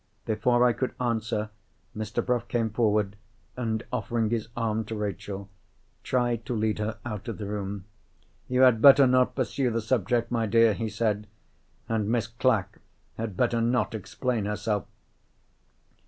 Before I could answer, Mr. Bruff came forward, and offering his arm to Rachel, tried to lead her out of the room. "You had better not pursue the subject, my dear," he said. "And Miss Clack had better not explain herself."